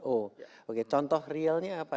oke contoh realnya apa